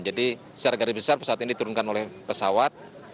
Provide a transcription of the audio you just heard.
jadi secara gari besar pesawat ini diturunkan oleh pesawat